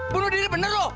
bunuh diri bener lu